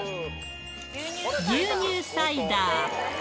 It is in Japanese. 牛乳サイダー。